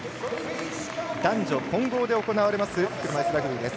男女混合で行われます車いすラグビーです。